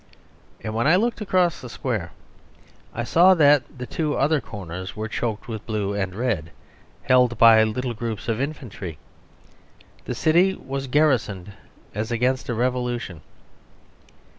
And when I looked across the square I saw that the two other corners were choked with blue and red; held by little groups of infantry. The city was garrisoned as against a revolution.